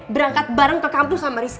berangkat bareng ke kampus sama rizk